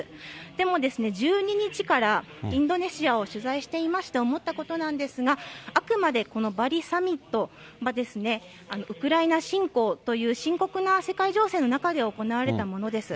でもですね、１２日からインドネシアを取材していまして思ったことなんですが、あくまでこのバリサミットは、ウクライナ侵攻という深刻な世界情勢の中で行われたものです。